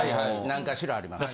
何かしらあります。